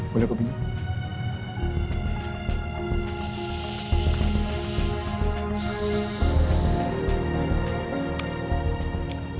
boleh aku pindah